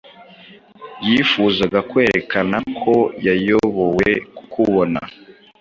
yifuzaga kwerekana ko yayobowe ku kubona